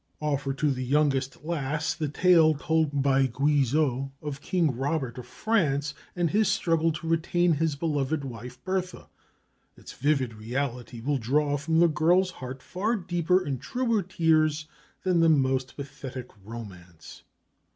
Offer to the youngest lass the tale told by Guizot of King Robert of France and his struggle to retain his beloved wife Bertha. Its vivid reality will draw from the girl's heart far deeper and truer tears than the most pathetic romance.